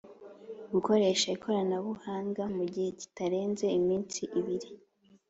gukoresha ikoranabuhanga mu gihe kitarenze iminsi ibiri